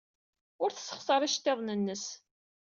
Ur tessexṣar iceḍḍiḍen-nnes.